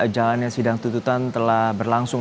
jalannya sidang tututan telah berlangsung